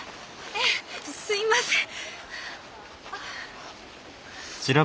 ええすいません。